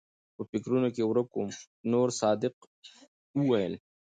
پۀ فکرونو کښې ورک ووم چې نورصادق وويل